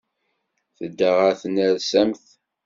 Tedda ɣer tnersamt.